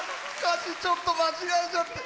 ちょっと間違えちゃって。